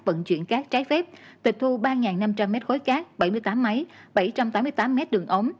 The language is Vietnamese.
vận chuyển cát trái phép tịch thu ba năm trăm linh mét khối cát bảy mươi tám máy bảy trăm tám mươi tám mét đường ống